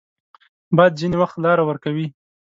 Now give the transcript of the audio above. باد ځینې وخت لاره ورکوي